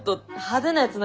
派手なやつ。